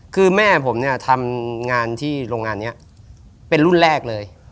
คือแม่ผมเนี่ยทำงานที่โรงงานนี้เป็นรุ่นแรกเลย